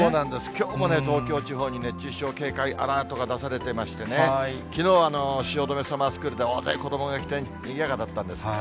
きょうもね、東京地方に熱中症警戒アラートが出されていましてね、きのうは汐留サマースクールで大勢子どもが来てにぎやかだったんです。